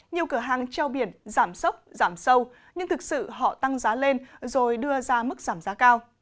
nhiều cửa hàng treo biển giảm sốc giảm sâu nhưng thực sự họ tăng giá lên rồi đưa ra mức giảm giá cao